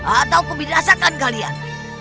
atau kubidasakan kalian